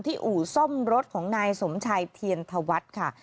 อู่ซ่อมรถของนายสมชัยเทียนธวัฒน์ค่ะ